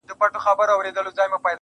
دا مي سوگند دی.